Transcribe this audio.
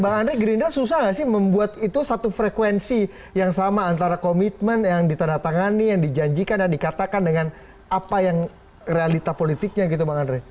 bang andre gerindra susah nggak sih membuat itu satu frekuensi yang sama antara komitmen yang ditandatangani yang dijanjikan dan dikatakan dengan apa yang realita politiknya gitu bang andre